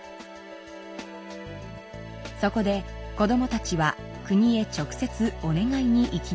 そこで子どもたちは国へ直接お願いに行きました。